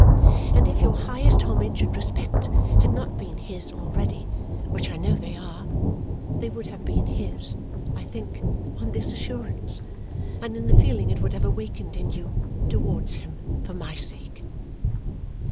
And if your highest homage and respect had not been his already which I know they are they would have been his, I think, on this assurance and in the feeling it would have awakened in you towards him for my sake."